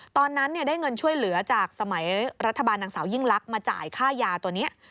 ตอนนั้นได้เงินช่วยเหลือจากสมัยรัฐบาลนางสาวยิ่งลักษณ์มาจ่ายค่ายาตัวนี้